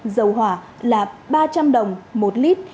dầu hỏa là ba trăm linh đồng một lít